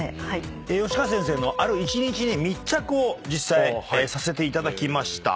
吉川先生のある一日に密着を実際させていただきました。